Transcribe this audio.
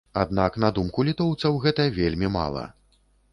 Аднак, на думку літоўцаў, гэта вельмі мала.